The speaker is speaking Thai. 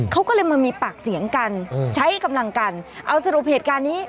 เขาก็เลยมามีปากเสียงกันใช้กำลังกันเอาสรุปเหตุการณ์นี้